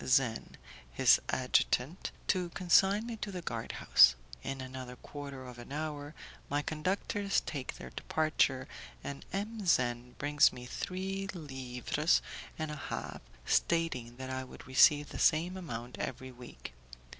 Zen, his adjutant, to consign me to the guard house. In another quarter of an hour my conductors take their departure, and M. Zen brings me three livres and a half, stating that I would receive the same amount every week.